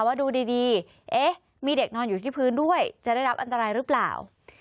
ว่าดูดีเอ๊ะมีเด็กนอนอยู่ที่พื้นด้วยจะได้รับอันตรายหรือเปล่า